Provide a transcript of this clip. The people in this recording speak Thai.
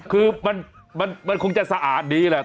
คือมันคงจะสะอาดดีแหละ